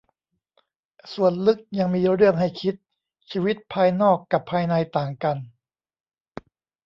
ส่วนลึกยังมีเรื่องให้คิด ชีวิตภายนอกกับภายในต่างกัน